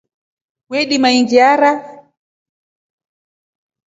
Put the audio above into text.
Weldima ingairia.